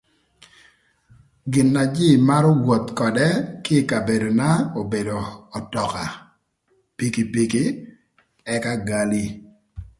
Gin na jïï marö woth ködë kï ï kabedona obedo ötöka, pikipiki ëka gali.